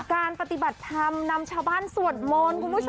การปฏิบัติธรรมนำชาวบ้านสวดมนต์คุณผู้ชม